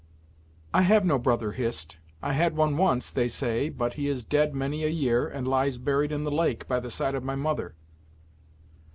"I have no brother, Hist. I had one once, they say, but he is dead many a year, and lies buried in the lake, by the side of my mother."